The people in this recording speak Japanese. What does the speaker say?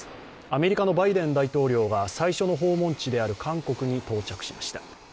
アメリカのバイデン大統領が最初の訪問地である韓国に到着しました。